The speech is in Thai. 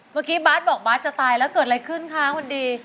เมื่อกี้บาทบอกบาทจะตายแล้วเกิดอะไรขึ้นคะคนดี